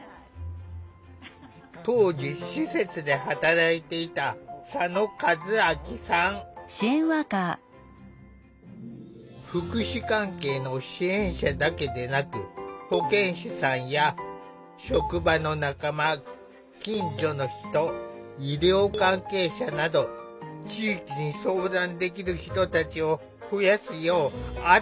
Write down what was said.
当時施設で働いていた福祉関係の支援者だけでなく保健師さんや職場の仲間近所の人医療関係者など地域に相談できる人たちを増やすようアドバイスしたという。